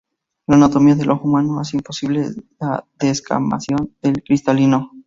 La anatomía del ojo humano hace imposible la descamación del cristalino.